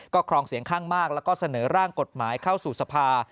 ครองเสียงข้างมากแล้วก็เสนอร่างกฎหมายเข้าสู่สภา